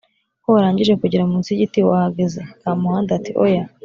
ko warangije kugera munsi y’igiti. Wahageze?” Kamuhanda ati: “Oya